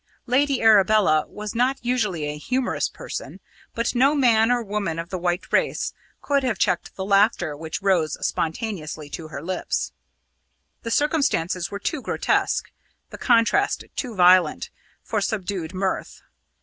Lady Arabella was not usually a humorous person, but no man or woman of the white race could have checked the laughter which rose spontaneously to her lips. The circumstances were too grotesque, the contrast too violent, for subdued mirth.